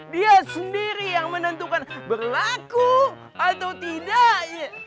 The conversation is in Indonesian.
dia sendiri yang menentukan berlaku atau tidak